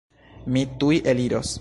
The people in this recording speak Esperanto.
Mi tuj eliros!